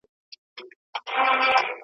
یو پاچا وي بل تر مرګه وړي بارونه !.